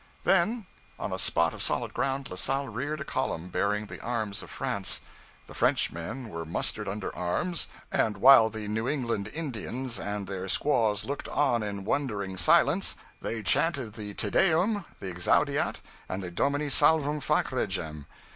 Then, on a spot of solid ground, La Salle reared a column 'bearing the arms of France; the Frenchmen were mustered under arms; and while the New England Indians and their squaws looked on in wondering silence, they chanted the Te Deum, The Exaudiat, and the Domine Salvum Fac Regem.'